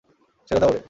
ছেড়ে দাও ওরে।